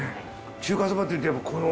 中華そばっていうとやっぱこの。